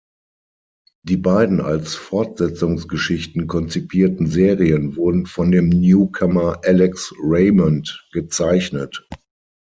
Die beiden als Fortsetzungsgeschichten konzipierten Serien wurden von dem Newcomer Alex Raymond gezeichnet.